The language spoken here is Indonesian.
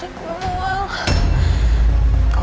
rik gue mau mual